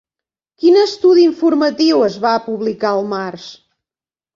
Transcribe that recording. Quin estudi informatiu es va publicar al març?